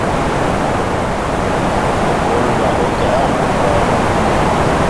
Ŋkɔl bal ó kɛ á mɓombá.